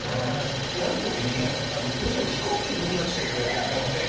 である時にどうしても飛行機に乗らなくちゃいけない時があって。